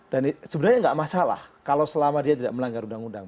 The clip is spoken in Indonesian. dan sebenarnya nggak masalah kalau selama dia tidak melanggar undang undang